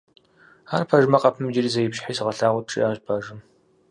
- Ар пэжмэ, къэпым иджыри зэ ипщхьи, сыгъэлъагъут, - жиӏащ бажэм.